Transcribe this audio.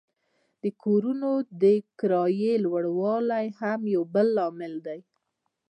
د کورونو د کرایې لوړوالی هم یو بل لامل دی